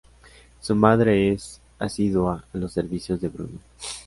Su madre es asidua a los "servicios" de Bruno.